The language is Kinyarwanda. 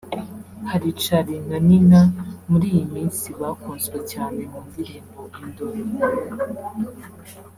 hari Charly & Nina muri iyi minsi bakunzwe cyane mu ndirimbo “Indoro”